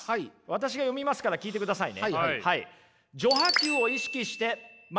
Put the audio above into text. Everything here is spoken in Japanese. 私が読みますから聞いてくださいね。